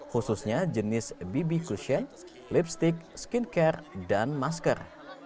khususnya jenis bb cushion lipstick skincare dan masker